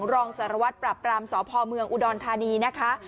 ลองสรวรรษปรับรามสอบพอเมืองอุดณฑานีนะคะ